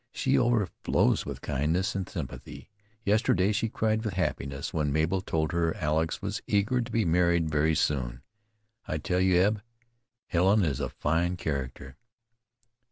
She overflows with kindness and sympathy. Yesterday she cried with happiness when Mabel told her Alex was eager to be married very soon. I tell you, Eb, Helen is a fine character."